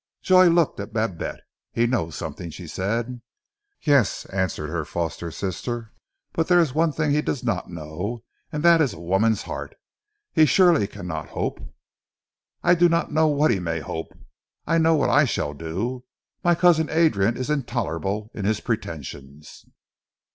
Joy looked at Babette. "He knows something," she said. "Yes," answered her foster sister, "but there is one thing he does not know, and that is a woman's heart. He surely cannot hope " "I do not know what he may hope. I know what I shall do. My cousin Adrian is intolerable in his pretensions."